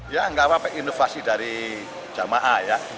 ya nggak apa apa inovasi dari jamaah ya